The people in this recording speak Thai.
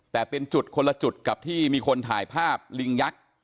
แต่เป็นจุดคนละจุดกับที่มีคนถ่ายภาพลิงยักษ์